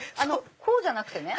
こうじゃなくてね。